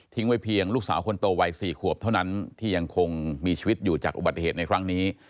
ไว้เพียงลูกสาวคนโตวัย๔ขวบเท่านั้นที่ยังคงมีชีวิตอยู่จากอุบัติเหตุในครั้งนี้